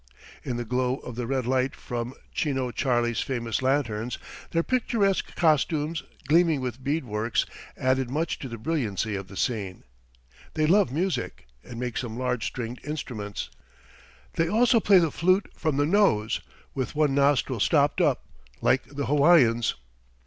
In the glow of the red light from Chino Charlie's famous lanterns, their picturesque costumes, gleaming with bead work, added much to the brilliancy of the scene. They love music and make some large stringed instruments. They also play the flute from the nose, with one nostril stopped up, like the Hawaiians.